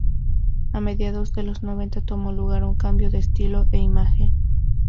A mediados de los noventa tomó lugar un cambio de estilo e imagen.